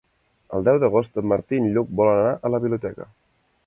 El deu d'agost en Martí i en Lluc volen anar a la biblioteca.